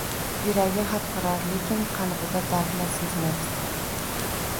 Yuragi xapriqar, lekin qalbida dardni sezmasdi